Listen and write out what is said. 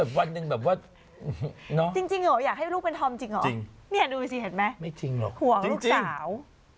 หวังลูกสาว